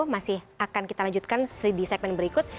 masih akan kita lanjutkan di segmen berikut